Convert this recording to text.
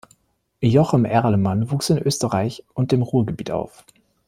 Jochem Erlemann wuchs in Österreich und dem Ruhrgebiet auf.